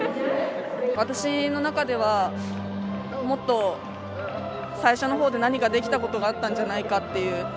私の中ではもっと最初のほうで何かできたことがあったんじゃないかっていう。